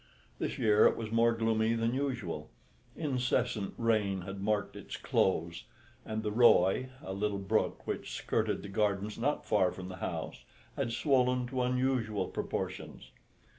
This year it was more gloomy than usual. Incessant rain had marked its close, and the Roy, a little brook which skirted the gardens not far from the house, had swollen to unusual proportions.